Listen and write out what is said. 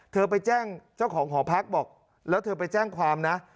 เธอไปแจ้งเจ้าของหอพักบอกแล้วเธอไปแจ้งความนะ